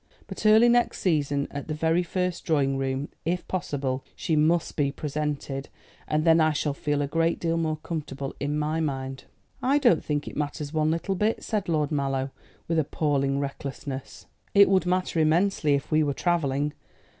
But early next season at the very first drawing room, if possible she must be presented, and then I shall feel a great deal more comfortable in my mind." "I don't think it matters one little bit," said Lord Mallow, with appalling recklessness. "It would matter immensely if we were travelling.